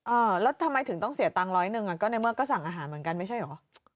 เออแล้วทำไมถึงต้องเสียตังค์ร้อยหนึ่งอ่ะก็ในเมื่อก็สั่งอาหารเหมือนกันไม่ใช่เหรอ